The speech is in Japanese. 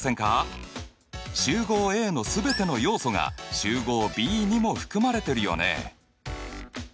集合Ａの全ての要素が集合Ｂにも含まれてるよね。